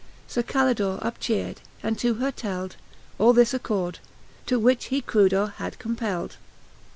Sir Call dor e upcheard, and to her teld All this accord, to which he Crudor had compeld.